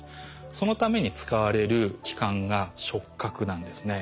そのために使われる器官が触角なんですね。